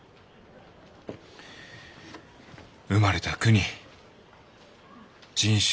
生まれた国人種